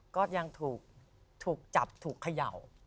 ก็ยังถูกจับถูกเขย่า